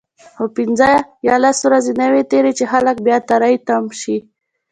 خو پنځه یا لس ورځې نه وي تیرې چې خلک بیا تری تم شي.